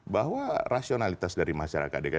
bahwa rasionalitas dari masyarakat dki